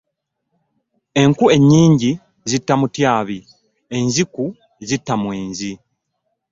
Enku enyingi zitta mutyabi, enziku zitta mwenzi .